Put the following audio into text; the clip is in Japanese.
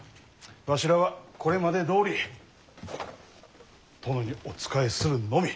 わしらはこれまでどおり殿にお仕えするのみ。